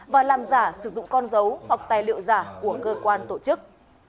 và làm giả sử dụng con dấu hoặc tài liệu giả của cơ quan tổ chức